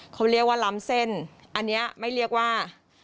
เขาเรียกว่าล้ำเส้นอันนี้ไม่เรียกว่า